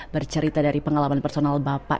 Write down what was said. bercerita dari pengalaman personal bapak